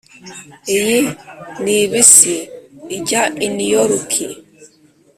iyi ni bisi ijya i niyoruki